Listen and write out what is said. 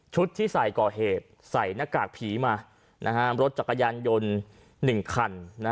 ที่ใส่ก่อเหตุใส่หน้ากากผีมารถจักรยานยนต์๑คัน